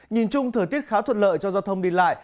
nhìn chung thời tiết khá thuận lợi cho giao thông đi lại